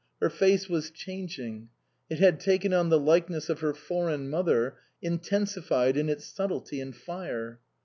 Her face was changing ; it had taken on the likeness of her foreign mother, intensified in its subtlety and fire.